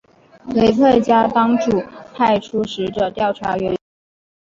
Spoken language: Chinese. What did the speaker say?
雷沛家当主派出使者调查原因。